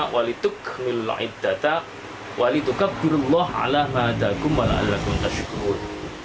waliduk mil la'iddata walidukabdurullah ala ma'adakum wa la'alakum tashukur